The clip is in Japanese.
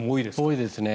多いですね。